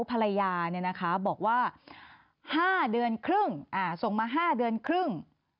ภรรยาบอกว่า๕เดือนครึ่งส่งมา๕เดือนครึ่ง